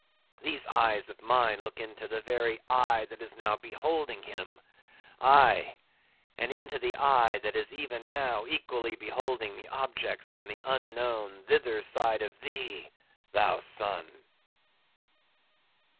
These eyes of mine look into the very eye that is even now beholding him; aye, and into the eye that is even now equally beholding the objects on the unknown, thither side of thee, thou sun!"